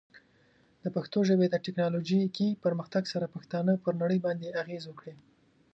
د پښتو ژبې د ټیکنالوجیکي پرمختګ سره، پښتانه پر نړۍ باندې اغېز وکړي.